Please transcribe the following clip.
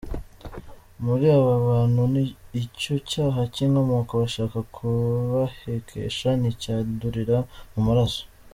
Muri abana b’abantu icyo cyaha cy’inkomoko bashaka kubahekesha nticyandurira mu maraso.